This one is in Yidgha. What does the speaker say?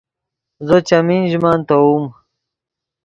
زو چیمین ژے مَنۡ تیووم